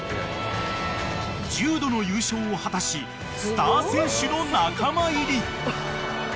［１０度の優勝を果たしスター選手の仲間入り］